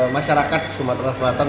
masyarakat sumatera selatan